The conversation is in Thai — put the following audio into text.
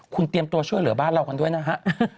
คุณเตรียมตัวช่วยเหลือบ้านเรากันด้วยนะฮะ